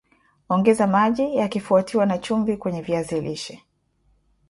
ongeza maji yakifuatiwa na chumvi kwenye viazi lishe